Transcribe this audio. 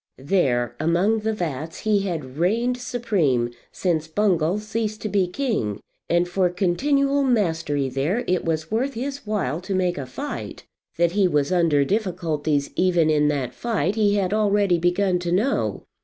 There, among the vats, he had reigned supreme since Bungall ceased to be king, and for continual mastery there it was worth his while to make a fight. That he was under difficulties even in that fight he had already begun to know.